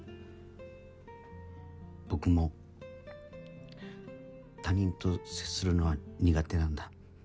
僕も他人と接するのは苦手なんだ。